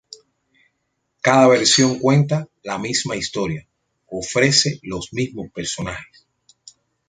Cada versión cuenta la misma historia, ofrece los mismos personajes.